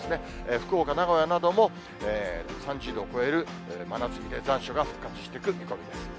福岡、名古屋なども、３０度を超える真夏日で残暑が復活してくる見込みです。